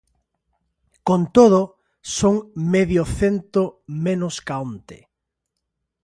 Con todo, son medio cento menos ca onte.